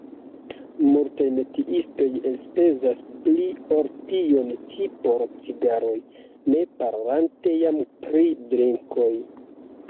Multaj metiistoj elspezas pli ol tion ĉi por cigaroj, ne parolante jam pri drinkoj.